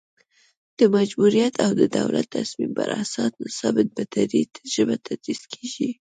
د مجبوریت او د دولت تصمیم پر اساس نصاب په دري ژبه تدریس کیږي